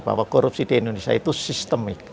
bahwa korupsi di indonesia itu sistemik